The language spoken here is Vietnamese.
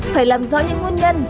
phải làm rõ những nguyên nhân